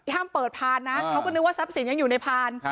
ห้ามเปิดพานนะเขาก็นึกว่าทรัพย์สินยังอยู่ในพาน